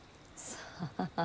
さあ？